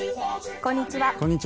こんにちは。